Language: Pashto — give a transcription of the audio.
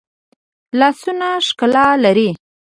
لاسونه ښکلا لري